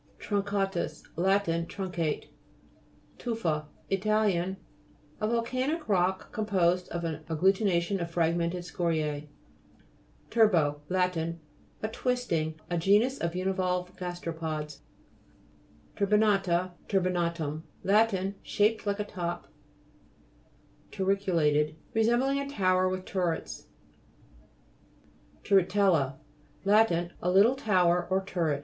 TRUNCA'TUS Lat. Truncate. TU'FA It. A volcanic rock, com posed of an agglutination of frag mented scorise. TURBO Lat. A twisting. A genus of univalve gasteropods. TURBINA'TA 7 Lat. Shaped like a TURBINA'TUM 5 top. TURRI'CULATED Resembling a tower with turrets. TURRILITES (p. 73). TURRITE'LLA Lat. A little tower or turret.